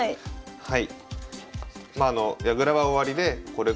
はい。